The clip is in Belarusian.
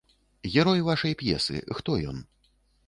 Герой вашай п'есы, хто ён?